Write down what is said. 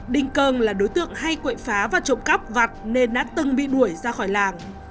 đình cơn là đối tượng hay quậy phá và trộm cắp vặt nên đã từng bị đuổi ra khỏi làng